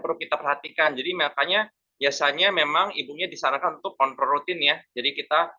perlu kita perhatikan jadi makanya biasanya memang ibunya disarankan untuk kontrol rutin ya jadi kita